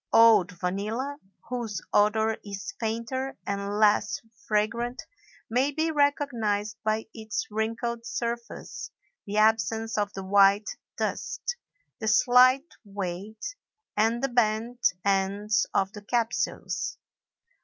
Old vanilla, whose odor is fainter and less fragrant, may be recognized by its wrinkled surface, the absence of the white dust, the slight weight, and the bent ends of the capsules.